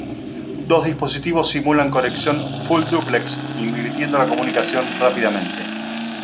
Dos dispositivos simulan conexión "full-duplex" invirtiendo la comunicación rápidamente.